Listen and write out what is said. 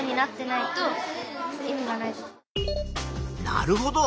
なるほど。